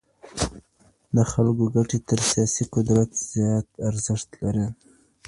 د خلګو ګټي تر سياسي قدرت زيات ارزښت لري.